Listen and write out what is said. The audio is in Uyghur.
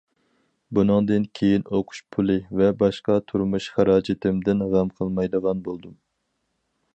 بۇنىڭدىن كېيىن ئوقۇش پۇلى ۋە باشقا تۇرمۇش خىراجىتىمدىن غەم قىلمايدىغان بولدۇم.